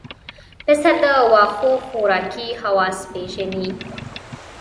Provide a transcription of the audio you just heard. پسه د واښو خوراکي خواص پېژني.